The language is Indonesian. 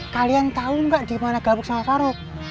kalian tau gak gimana gabuk sama faruk